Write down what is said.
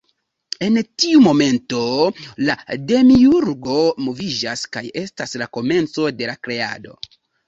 En tiu momento la Demiurgo moviĝas kaj estas la komenco de la Kreado.